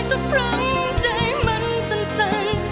เธอพร้อมใจมันสั่น